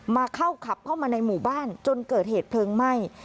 มาเข้าขับเข้ามาในหมู่บ้านจนเกิดเหตุเพลิงไหม้